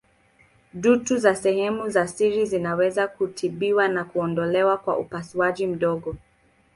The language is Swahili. Dutu za sehemu za siri zinaweza kutibiwa na kuondolewa kwa upasuaji mdogo.